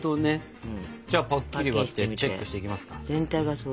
じゃあパッキリ割ってチェックしていきますか。